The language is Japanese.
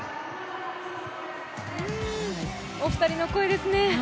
お二人の声ですね。